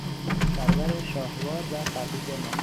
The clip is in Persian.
سرور شاهوار و فقید ما